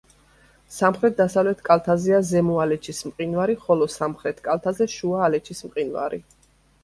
სამხრეთ-დასავლეთ კალთაზეა ზემო ალეჩის მყინვარი, ხოლო სამხრეთ კალთაზე შუა ალეჩის მყინვარი.